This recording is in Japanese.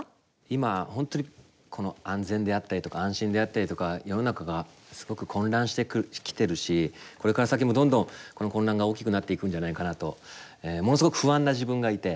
今本当にこの安全であったりとか安心であったりとか世の中がすごく混乱してきてるしこれから先もどんどんこの混乱が大きくなっていくんじゃないかなとものすごく不安な自分がいて。